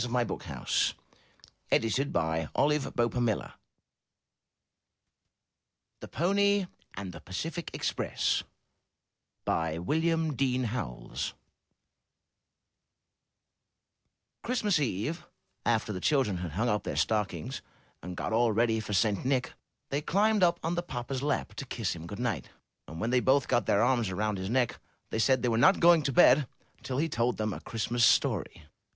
'* 341 M Y HOUSE THE PONY ENGINE AND THE PACIFIC EXPRESS* William Dean Howells Christmas Eve, after the children had hung up their stockings and got all ready for St. Nic, they climbed up on the papa's lap to kiss him good night, and when they both got their arms round his neck, they said they were not going to bed till he told them a Christmas story.